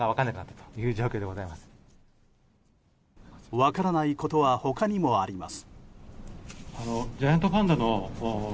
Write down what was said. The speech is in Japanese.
分からないことは他にもあります。